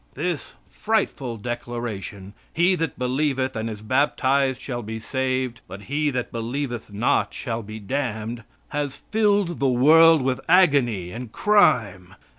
This frightful declaration, "He that believeth and is baptized shall be saved, but he that believeth not shall be damned," has filled the world with agony and crime.